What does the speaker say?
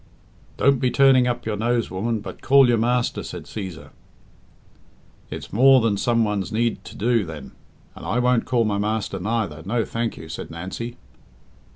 "Don't he turning up your nose, woman, but call your master," said Cæsar. "It's more than some ones need do, then, and I won't call my master, neither no, thank you," said Nancy.